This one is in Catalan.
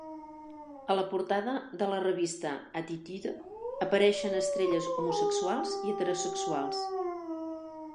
A la portada de la revista "Attitude" apareixen estrelles homosexuals i heterosexuals.